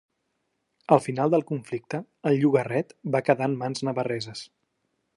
Al final del conflicte el llogarret va quedar en mans navarreses.